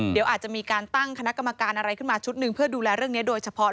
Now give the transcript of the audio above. เดี๋ยวอาจจะมีการตั้งคณะกรรมการอะไรขึ้นมาชุดหนึ่งเพื่อดูแลเรื่องนี้โดยเฉพาะ